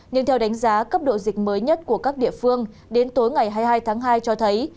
nhưng theo đánh giá cấp độ dịch mới nhất của các địa phương đến tối ngày hai mươi hai tháng hai cho thấy